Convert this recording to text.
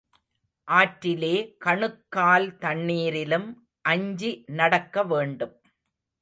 ஆற்றிலே கணுக்கால் தண்ணீரிலும் அஞ்சி நடக்க வேண்டும்.